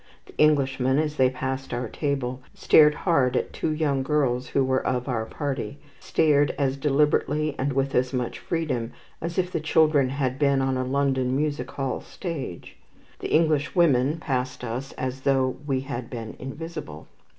The Englishmen, as they passed our table, stared hard at two young girls who were of our party, stared as deliberately and with as much freedom as if the children had been on a London music hall stage. The Englishwomen passed us as though we had been invisible.